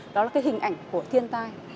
đó là cái hình ảnh của thiên tai